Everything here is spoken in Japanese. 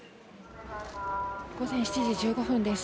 午前７時１５分です。